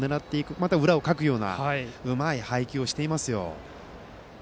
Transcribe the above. また、その裏をかくようなうまい配球をしていますよ。